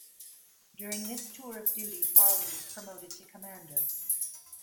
During this tour of duty, Farley was promoted to commander.